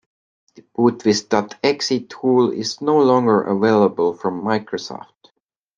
The Bootvis dot exe tool is no longer available from Microsoft.